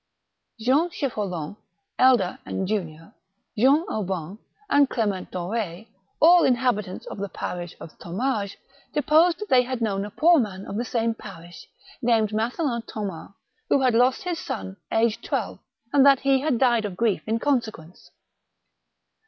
Jean Chipholon, elder and junior, Jean Aubin, and Clement Dor^, all inhabitants of the parish of Thomage, deposed that they had known a poor man of the same parish, named Mathelin Thomas, who had lost his son, aged twelve, and that he had died of grief in con sequence.